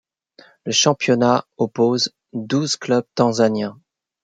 Le championnat oppose douze clubs tanzaniens.